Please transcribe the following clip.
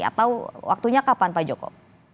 atau waktunya kapan pak joko